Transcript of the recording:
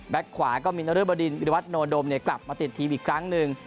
ขวาก็มีนรบดินวิรวัตโนดมกลับมาติดทีมอีกครั้งหนึ่ง